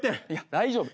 大丈夫。